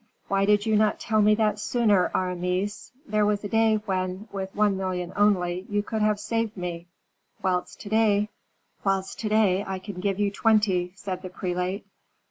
"Why did you not tell me that sooner, Aramis? There was a day when, with one million only, you could have saved me; whilst to day " "Whilst to day I can give you twenty," said the prelate.